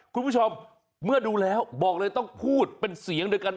คุณผู้ชมเมื่อดูแล้วบอกเลยต้องพูดเป็นเสียงเดียวกัน